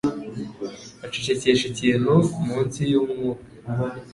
Acecekesha ikintu munsi yumwuka.